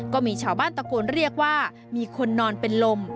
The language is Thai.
ก็มีชาวบ้านตะโกนเรียกว่ามีคนนอนเป็นลม